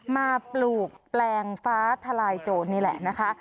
ปลูกแปลงฟ้าทลายโจรนี่แหละนะคะ